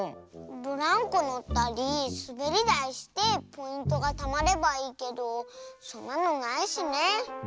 ブランコのったりすべりだいしてポイントがたまればいいけどそんなのないしね。